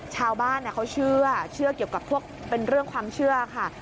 ชาวบ้านเขาเชื่อเกี่ยวกับพวกเป็นเรื่องความเชื่อค่ะ